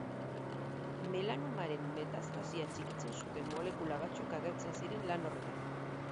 Melanomaren metastasia txikitzen zuten molekula batzuk agertzen ziren lan horretan.